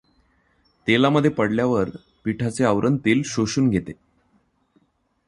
तेलामध्ये पडल्यावर पिठाचे आवरण तेल शोषून घेते.